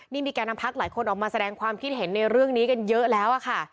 นี่มีการนำพักหลายคนออกมาแสดงความคิดเห็นในเรื่องนี้กันเยอะแล้วค่ะ